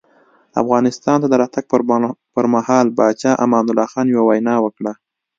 افغانستان ته د راتګ پر مهال پاچا امان الله خان یوه وینا وکړه.